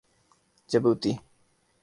Djibouti